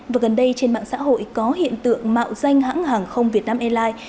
và gần đây trên mạng xã hội có hiện tượng mạo danh hãng hàng không việt nam airlines